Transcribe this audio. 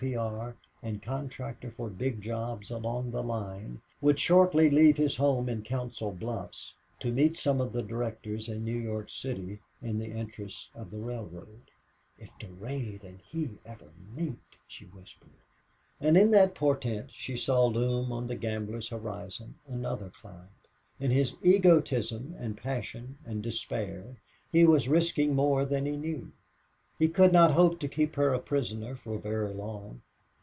P. R. and contractor for big jobs along the line, would shortly leave his home in Council Bluffs, to meet some of the directors in New York City in the interests of the railroad. "If Durade and he ever meet!" she whispered. And in that portent she saw loom on the gambler's horizon another cloud. In his egotism and passion and despair he was risking more than he knew. He could not hope to keep her a prisoner for very long.